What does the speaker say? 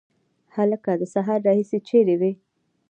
هلکه د سهار راهیسي چیري وې؟